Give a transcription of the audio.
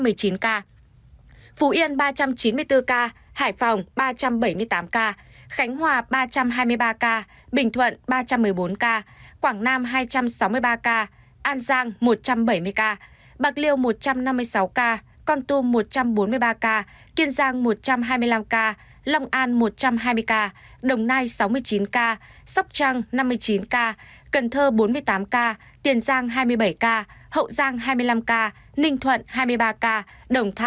phú yên ba trăm chín mươi bốn ca hải phòng ba trăm bảy mươi tám ca khánh hòa ba trăm hai mươi ba ca bình thuận ba trăm một mươi bốn ca quảng nam hai trăm sáu mươi ba ca an giang một trăm bảy mươi ca bạc liêu một trăm năm mươi sáu ca con tum một trăm bốn mươi ba ca kiên giang một trăm hai mươi năm ca lòng an một trăm hai mươi ca đồng nai sáu mươi chín ca sóc trăng năm mươi chín ca cần thơ bốn mươi tám ca tiền giang hai mươi bảy ca hậu giang hai mươi năm ca ninh thuận hai mươi ba ca